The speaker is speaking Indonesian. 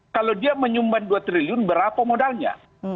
kalau dia menyumbang dua triliun berapa modalnya